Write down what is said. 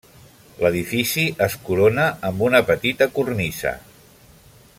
L'edifici és corona amb una petita cornisa.